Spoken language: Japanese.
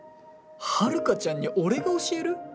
ハルカちゃんに俺が教える！？